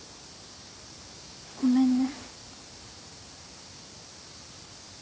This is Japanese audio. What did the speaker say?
ごめんね。